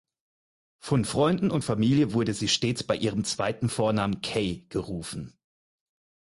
Von Freunden und Familie wurde sie stets bei ihrem zweiten Vornamen Kay gerufen.